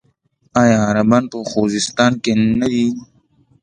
آیا عربان په خوزستان کې نه دي؟